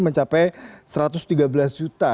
mencapai satu ratus tiga belas juta